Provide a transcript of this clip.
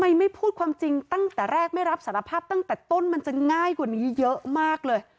ไม่พูดความจริงตั้งแต่แรกไม่รับสารภาพตั้งแต่ต้นมันจะง่ายกว่านี้เยอะมากเลย